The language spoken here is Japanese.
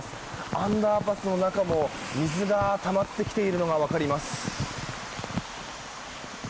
アンダーパスの中も水がたまってきているのが分かります。